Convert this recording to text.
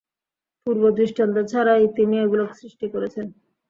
পূর্ব-দৃষ্টান্ত ছাড়াই তিনি এগুলো সৃষ্টি করেছেন।